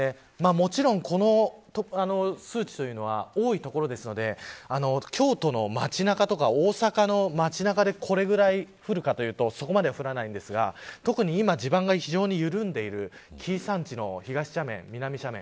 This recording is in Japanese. もちろんこの数値は多い所なので京都の街中とか大阪の街中でこれぐらい降るかというとそこまでは降らないんですが特に今、地盤が非常に緩んでいる紀伊山地の東斜面や南斜面